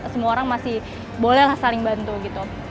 semua orang masih bolehlah saling bantu gitu